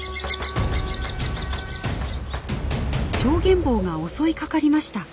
チョウゲンボウが襲いかかりました。